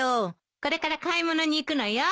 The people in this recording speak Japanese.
これから買い物に行くのよ。